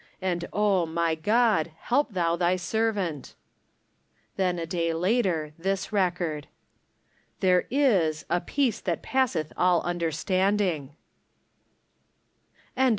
And oh, my God, help thou thy servant ! Then, a day later, this record :" There is ' a peace that passeth all under standing I '" 22.